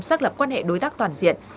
xác lập quan hệ đối tác toàn diện